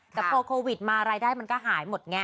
แต่พอโควิดมารายได้มันก็หายหมดไง